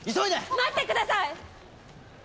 待ってください！